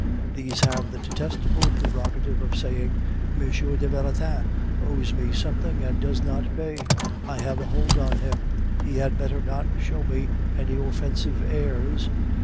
These have the detestable prerogative of saying, 'M. de Valentin owes me something, and does not pay. I have a hold on him. He had better not show me any offensive airs!